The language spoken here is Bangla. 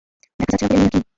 দেখা যাচ্ছে না বলে নেই নাকি!